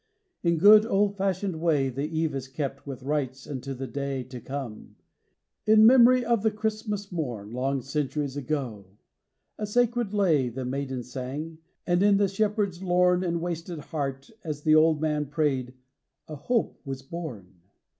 In good old fashioned way The eve is kept with rites unto the day To come, in memory of the Christmas morn Long centuries ago; a sacred lay The maiden sang, and in the shepherd's lorn And wasted heart, as the old man prayed, a hope was born.